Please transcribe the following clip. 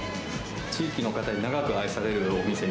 地域の方に長く愛されるお店